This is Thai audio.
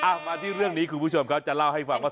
มาที่เรื่องนี้คุณผู้ชมครับจะเล่าให้ฟังว่า